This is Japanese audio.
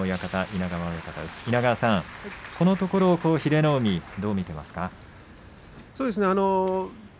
稲川さん、このところ英乃海どう見てますか。